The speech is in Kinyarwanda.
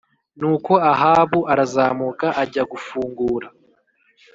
Nuko Ahabu arazamuka ajya gufungura